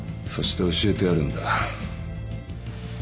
そして教えてやるんだ